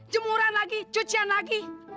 jemuran lagi cucian lagi